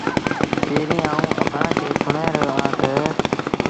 پيريٚݩ آئوٚنٚ اڀآنٚ کي سُڻآئي رهيو اهآنٚ تا